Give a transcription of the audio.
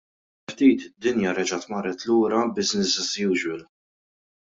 Wara ftit id-dinja reġgħet marret lura business as usual.